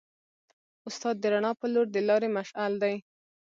استاد د رڼا په لور د لارې مشعل دی.